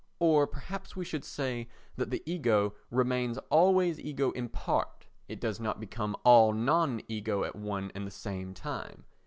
Or perhaps we should say that the ego remains always ego in part; it does not become all non ego at one and the same time.